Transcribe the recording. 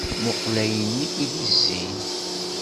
Muqqel ayen i ak-d-izzin!